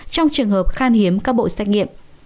trong trường hợp khan hiếm các bộ xác nghiệm